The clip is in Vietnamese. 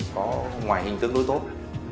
có ngoài hình tương đối tốt